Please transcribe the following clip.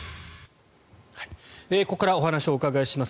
ここからお話をお伺いいたします。